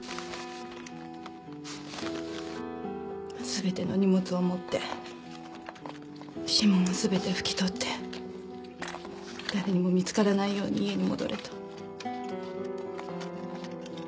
すべての荷物を持って指紋をすべてふき取って誰にも見つからないように家に戻れと。